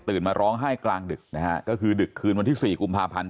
มาร้องไห้กลางดึกนะฮะก็คือดึกคืนวันที่๔กุมภาพันธ์